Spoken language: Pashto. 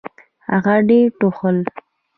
هغه ډېر ټوخل .